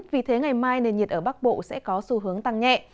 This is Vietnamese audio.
vì thế ngày mai nền nhiệt ở bắc bộ sẽ có xu hướng tăng nhẹ